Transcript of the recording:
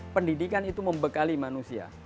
pendidikan itu membekali manusia